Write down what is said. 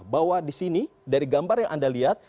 bahwa di sini dari gambar yang anda lihat